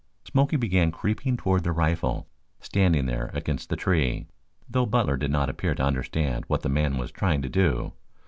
Smoky began creeping toward the rifle standing there against the tree, though Butler did not appear to understand what the man was trying to do.